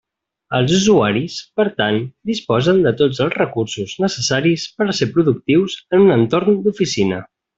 Els usuaris, per tant, disposen de tots els recursos necessaris per a ser productius en un entorn d'oficina.